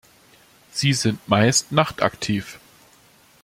Sie sind meist nachtaktiv.